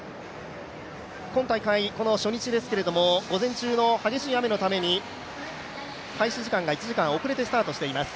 今大会、初日ですけども午前中の激しい雨のために開始時間が１時間遅れてスタートしています。